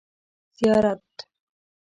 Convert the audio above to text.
زیارت